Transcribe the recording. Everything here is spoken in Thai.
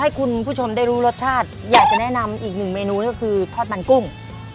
ให้คุณผู้ชมได้รู้รสชาติอยากจะแนะนำอีกหนึ่งเมนูก็คือทอดมันกุ้ง